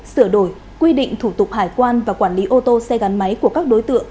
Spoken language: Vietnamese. sửa đổi quy định thủ tục hải quan và quản lý ô tô xe gắn máy của các đối tượng